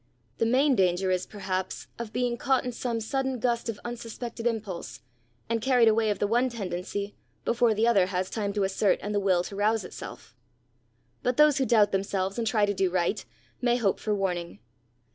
The main danger is perhaps, of being caught in some sudden gust of unsuspected impulse, and carried away of the one tendency before the other has time to assert and the will to rouse itself. But those who doubt themselves and try to do right may hope for warning.